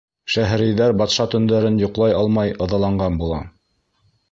Шәһрейәр батша төндәрен йоҡлай алмай ыҙаланған була.